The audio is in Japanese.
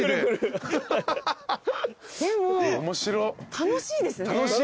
楽しいですね。